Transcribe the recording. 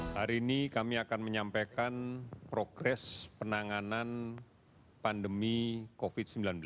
hari ini kami akan menyampaikan progres penanganan pandemi covid sembilan belas